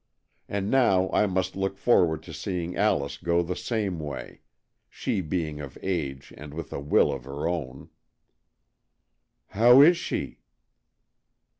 And now I must look forward to seeing Alice go the same way, she being of age and with a will of her own."' " How is she?"